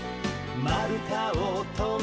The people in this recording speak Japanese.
「まるたをとんで」